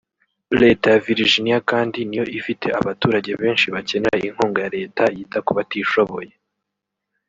Leta ya Viriginia kandi ni yo ifite abaturage benshi bakenera inkunga ya Leta yita ku batishoboye